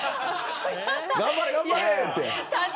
頑張れ、頑張れって。